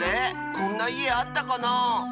こんないえあったかなあ。